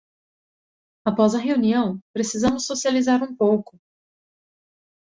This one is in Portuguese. Após a reunião, precisamos socializar um pouco!